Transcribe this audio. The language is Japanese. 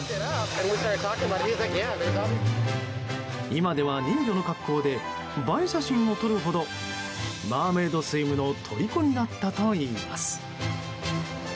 今では人魚の格好で映え写真を撮るほどマーメイドスイムのとりこになったといいます。